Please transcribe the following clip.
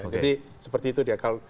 jadi seperti itu dia